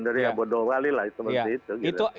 dari yang bodoh wali lah